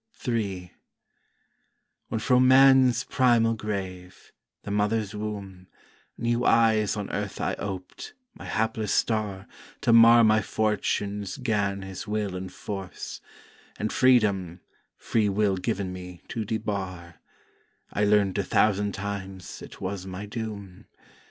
III When fro' man's primal grave, the mother's womb, New eyes on earth I oped, my hapless star To mar my Fortunes 'gan his will enforce; And freedom (Free will given me) to debar: I learnt a thousand times it was my doom.